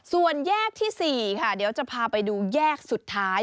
ส่วนแยกที่๔ค่ะเดี๋ยวจะพาไปดูแยกสุดท้าย